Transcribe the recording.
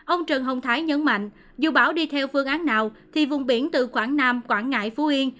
ông trần hồng thái nhấn mạnh dù bão đi theo phương án nào thì vùng biển từ quảng nam quảng ngãi phú yên